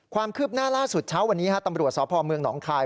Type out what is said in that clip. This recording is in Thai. ความคืบหน้าล่าสุดเช้าวันนี้ตำรวจสมนคาย